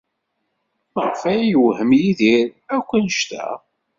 Maɣef ay yewhem Yidir akk anect-a?